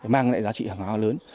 mang lại giá trị hàng hóa lớn